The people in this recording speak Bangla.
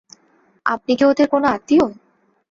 আপনি কি ওদের কোনো আত্মীয়?